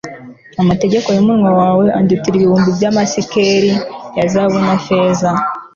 amategeko y'umunwa wawe andutira ibihumbi by'amasikeli ya zahabu na feza